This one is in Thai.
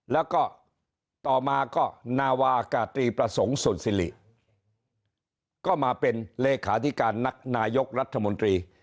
แล้วก็ต่อมาก็นาวากาตรีประสงค์สุนสิริก็มาเป็นเลขาธิการนักนายกรัฐมนตรี